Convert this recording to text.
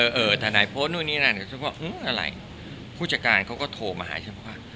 เออทนายโพสต์นู่นนี่นั่นฉันว่าอะไรผู้จัดการเขาก็โทรมาหาฉันบอกว่า